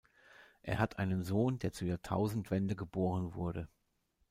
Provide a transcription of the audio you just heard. Er hat einen Sohn, der zur Jahrtausendwende geboren wurde.